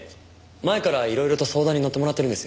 前からいろいろと相談にのってもらってるんですよ